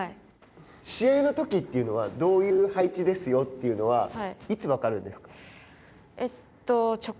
試合のときというのは、どういう配置ですよというのはいつ分かるんですか。